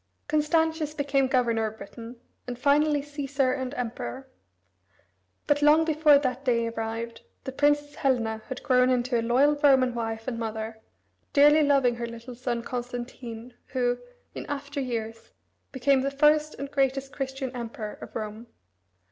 Constantius became governor of Britain, and finally caesar and emperor. But, long before that day arrived, the Princess Helena had grown into a loyal Roman wife and mother, dearly loving her little son Constantine, who, in after years, became the first and greatest Christian emperor of Rome.